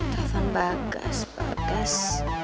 tuhan pak gas pak gas